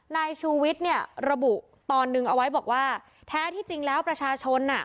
นายชูวิทย์เนี่ยระบุตอนหนึ่งเอาไว้บอกว่าแท้ที่จริงแล้วประชาชนอ่ะ